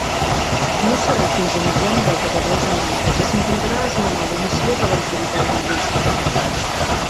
No serà fins a mitjan dècada dels noranta que s'intentarà esmenar l'omissió de l'autoritat lingüística.